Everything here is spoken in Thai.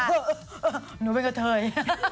อื้ออื้อหนูเป็นกะเทย